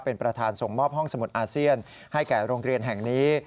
เป็นประธานส่งมอบห้องสมุดอาเซียนให้แก่โรงเรียนแห่งนี้